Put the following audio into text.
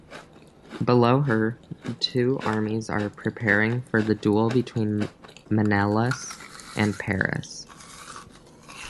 Below her, the two armies are preparing for the duel between Menelaus and Paris.